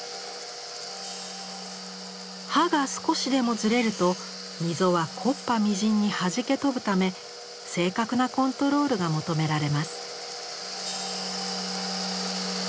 刃が少しでもずれると溝は木っ端みじんにはじけ飛ぶため正確なコントロールが求められます。